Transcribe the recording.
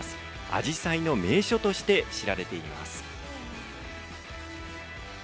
アジサイの名所として知られています。